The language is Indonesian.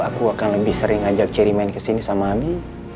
aku akan lebih sering ajak ceri main kesini sama abi